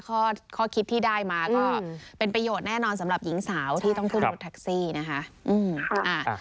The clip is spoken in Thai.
ข้อคิดที่ได้มาก็เป็นประโยชน์แน่นอนสำหรับหญิงสาวที่ต้องขึ้นรถแท็กซี่นะคะ